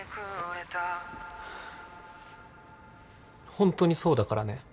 ホントにそうだからね。